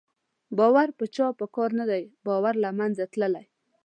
باور په چا په کار نه دی، باور له منځه تللی